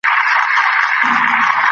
د اوبو کمښت انسان ژر ستړی کوي.